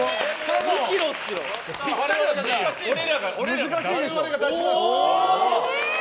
俺らが出します。